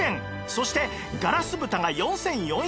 そしてガラス蓋が４４００円